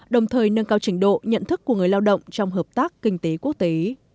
đồng thời nâng cao trình độ nhận thức của người lao động trong hợp tác kinh tế quốc tế